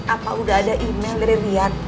apa udah ada email dari rian